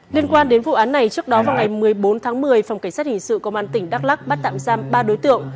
liên quan đến vụ án này trước đó vào ngày một mươi bốn tháng một mươi phòng cảnh sát hình sự công an tỉnh đắk lắc bắt tạm giam ba đối tượng